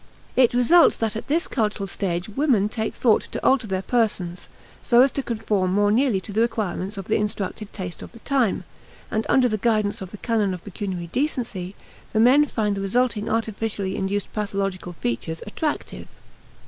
It results that at this cultural stage women take thought to alter their persons, so as to conform more nearly to the requirements of the instructed taste of the time; and under the guidance of the canon of pecuniary decency, the men find the resulting artificially induced pathological features attractive.